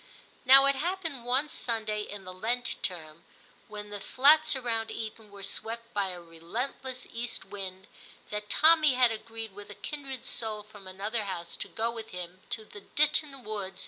Now it happened one Sunday in the Lent term when the flats around Eton were swept by a relentless east wind, that Tommy had agreed with a kindred soul from another house to go with him to the Ditton woods 124 TIM CHAP.